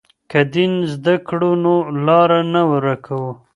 که دین زده کړو نو لار نه ورکوو.